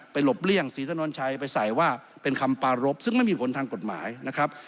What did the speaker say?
หลบเลี่ยงศรีถนนชัยไปใส่ว่าเป็นคำปารพซึ่งไม่มีผลทางกฎหมายนะครับ